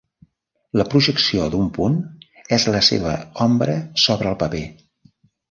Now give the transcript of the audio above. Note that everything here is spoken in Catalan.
La projecció d'un punt és la seva ombra sobre el paper.